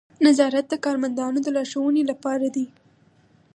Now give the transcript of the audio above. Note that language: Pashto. نظارت د کارمندانو د لارښوونې لپاره دی.